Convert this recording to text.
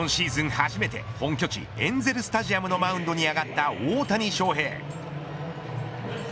初めて本拠地エンゼル・スタジアムのマウンドに上がった大谷翔平。